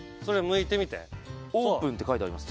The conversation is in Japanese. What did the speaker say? オープンって書いてあります。